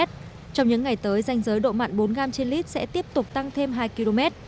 trong những ngày tới danh giới độ mặn bốn gram trên lít sẽ tiếp tục tăng thêm hai km